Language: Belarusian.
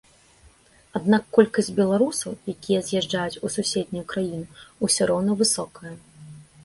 Аднак колькасць беларусаў, якія з'язджаюць у суседнюю краіну ўсё роўна высокая.